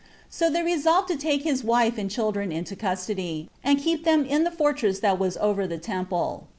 So they resolved to take his wife and children into custody, and keep them in the fortress that was over the temple.